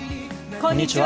こんにちは。